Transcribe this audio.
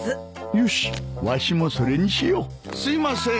よしわしもそれにしようすいません。